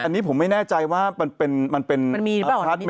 แต่อันนี้ผมไม่แน่ใจว่ามันเป็นอพาร์ทเม้นต์